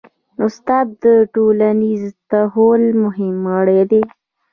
استاد د ټولنیز تحول مهم غړی دی.